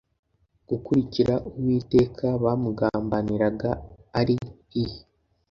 gukurikira uwiteka bamugambaniraga ari i